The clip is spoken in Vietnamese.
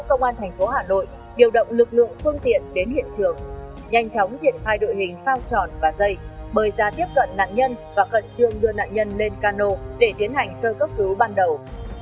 công an thành phố hà nội điều động lực lượng phương tiện đến hiện trường nhanh chóng triển khai đội hình phao tròn và dây bơi ra tiếp cận nạn nhân và cận trương đưa nạn nhân lên cano để tiến hành sơ cấp cứu ban đầu